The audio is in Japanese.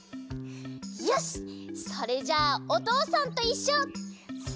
よしそれじゃあ「おとうさんといっしょ」スタート！